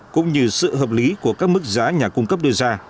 cũng như sự hợp lý của các mức giá nhà cung cấp đưa ra